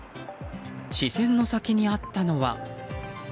視線の先にあったのは。